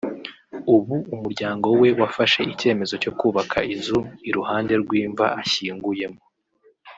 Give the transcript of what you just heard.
ubu umuryango we wafashe icyemezo cyo kubaka inzu iruhande rw’imva ashyinguyemo